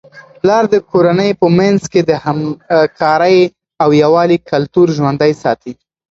پلار د کورنی په منځ کي د همکارۍ او یووالي کلتور ژوندۍ ساتي.